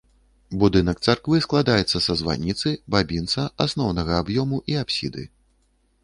Будынак царквы складаецца са званіцы, бабінца, асноўнага аб'ёму і апсіды.